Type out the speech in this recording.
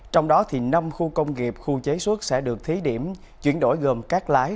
trong đó năm khu công nghiệp khu chế xuất sẽ được thí điểm chuyển đổi gồm cát lái